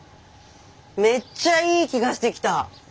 めっちゃいい気がしてきた。